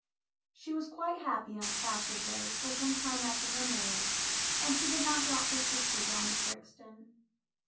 She was quite happy in a placid way for some time after her marriage, and she did not drop her sister down at Brixton.